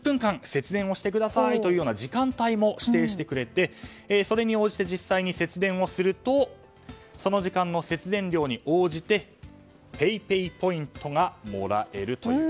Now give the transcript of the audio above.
節電をしてくださいというような時間帯も指定してくれてそれに応じて実際に節電をするとその時間の節電量に応じてＰａｙＰａｙポイントがもらえるという。